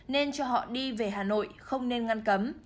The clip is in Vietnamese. nên cho họ đi về hà nội không nên ngăn cấm